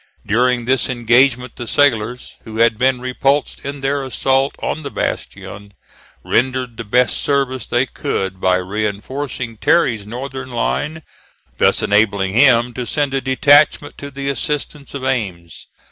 During this engagement the sailors, who had been repulsed in their assault on the bastion, rendered the best service they could by reinforcing Terry's northern line thus enabling him to send a detachment to the assistance of Ames.